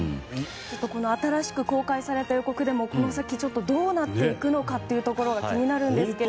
新しく公開された予告でもこの先どうなっていくのかというのが気になるんですけれども。